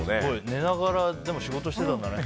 寝ながら仕事してたんだね。